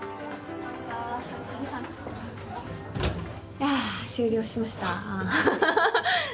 いやあ終了しました。